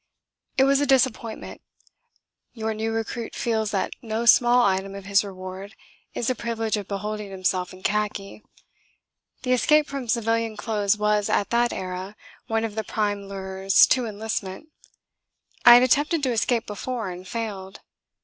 It was a disappointment. Your new recruit feels that no small item of his reward is the privilege of beholding himself in khaki. The escape from civilian clothes was, at that era, one of the prime lures to enlistment. I had attempted to escape before, and failed.